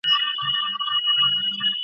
রাগও হয়, মমতাও বোধ করে শশী।